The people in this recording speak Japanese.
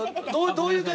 どういう感じ？